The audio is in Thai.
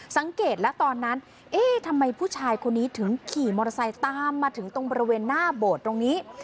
สังเกตแล้วตอนนั้นเอ๊ะทำไมผู้ชายคนนี้ถึงขี่มอเตอร์ไซค์ตามมาถึงตรงบริเวณหน้าโบสถ์ตรงนี้